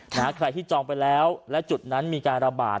ใครที่จองไปแล้วและจุดนั้นมีการระบาด